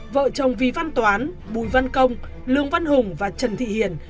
vợ chồng vì văn toán bùi văn công lương văn hùng và trần thị hiền